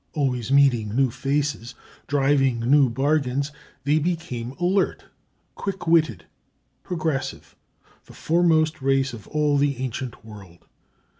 Always meeting new faces, driving new bargains, they became alert, quick witted, progressive, the foremost race of all the ancient world.